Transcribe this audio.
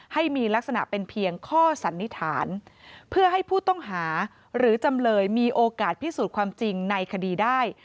ให้มีลักษณะเป็นเพียงข้อสันนิษฐานเพื่อให้ผู้ต้องหาหรือจำเลยมีโอกาสพิสูจน์ความจริงในคดีได้